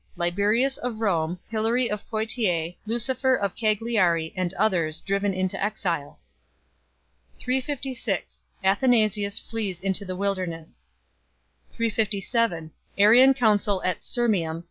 Liberius of Rome, Hilary of Poitiers, Lucifer of Cagliari, and others, driven into exile. 356 Athanasius flees into the wilderness. 357 Arian Council at Sirmium.